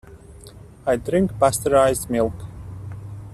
I drink pasteurized milk.